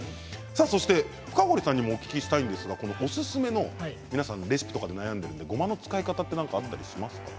そして深堀さんにもお聞きしたいんですがおすすめのレシピとかで悩んでるのでごまの使い方で何かありますか？